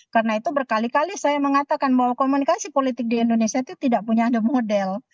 karena itu berkali kali saya mengatakan bahwa komunikasi politik di indonesia itu tidak punya ada model